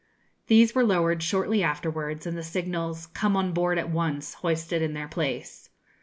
These were lowered shortly afterwards, and the signals, 'Come on board at once,' hoisted in their place.